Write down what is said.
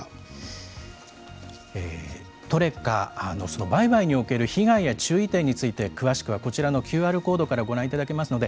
トレカの、その売買における被害や注意点について詳しくはこちらのＱＲコードからご覧いただけますので。